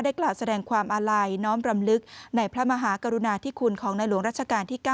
กล่าวแสดงความอาลัยน้อมรำลึกในพระมหากรุณาธิคุณของในหลวงรัชกาลที่๙